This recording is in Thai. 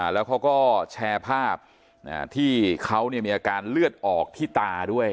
แล้วเขาก็แชร์ภาพที่เขามีอาการเลือดออกที่ตาด้วย